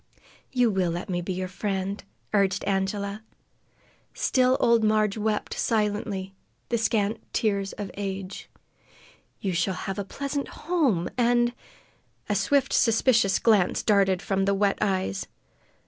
"You will let me be your friend," urged Angela. Still old Marg wept silently, the scant tears of age. "You shall have a pleasant home and " A swift, suspicious glance darted from the wet eyes.